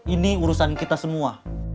ini urusan kita semua